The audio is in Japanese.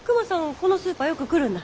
このスーパーよく来るんだ。